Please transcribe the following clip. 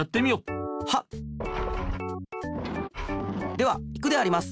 ではいくであります。